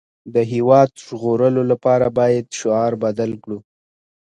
د هېواد د ژغورلو لپاره باید شعار بدل کړو